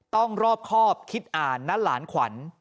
รอบครอบคิดอ่านนะหลานขวัญ